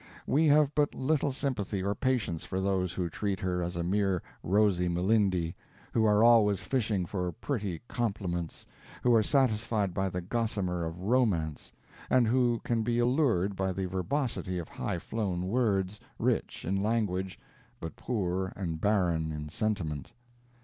We have but little sympathy or patience for those who treat her as a mere Rosy Melindi who are always fishing for pretty complements who are satisfied by the gossamer of Romance, and who can be allured by the verbosity of high flown words, rich in language, but poor and barren in sentiment.